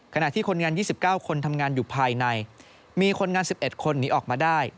ขณะที่คนงานยี่สิบเก้าคนทำงานอยู่ภายในมีคนงานสิบเอ็ดคนหนีออกมาได้